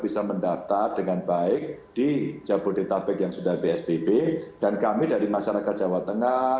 bisa mendaftar dengan baik di jabodetabek yang sudah psbb dan kami dari masyarakat jawa tengah